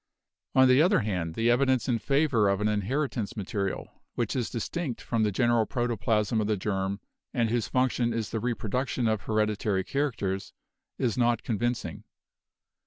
"On the other hand, the evidence in favor of an inherit ance material, which is distinct from the general proto plasm of the germ and whose function is the reproduc tion of hereditary characters, is not convincing.